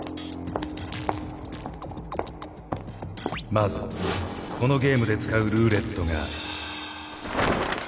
まずこのゲームで使うルーレットが。